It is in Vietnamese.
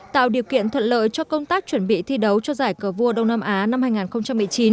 tạo điều kiện thuận lợi cho công tác chuẩn bị thi đấu cho giải cờ vua đông nam á năm hai nghìn một mươi chín